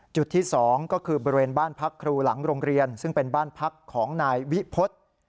จุดที่๒ก็คือบริเวณบ้านพักครูหลังโรงเรียนซึ่งเป็นบ้านพักของนายวิพฤษ